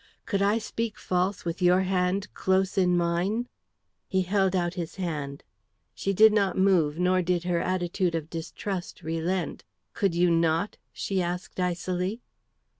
Could I speak false with your hand close in mine?" He held out his hand; she did not move, nor did her attitude of distrust relent. "Could you not?" she asked icily.